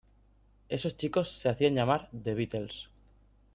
Esos chicos se hacían llamar The Beatles.